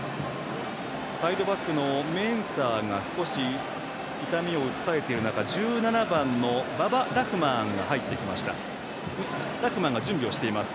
サイドバックのメンサーが少し痛みを訴えている中１７番のババ・ラフマーンが準備をしています。